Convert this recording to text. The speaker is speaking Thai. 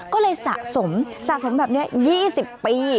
ก็เลยสะสมแบบนี้๒๐ปี